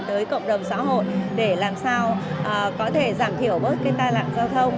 tới cộng đồng xã hội để làm sao có thể giảm thiểu bớt cái tai nạn giao thông